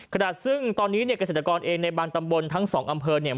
ขณะซึ่งตอนนี้เนี่ยเกษตรกรเองในบางตำบลทั้งสองอำเภอเนี่ย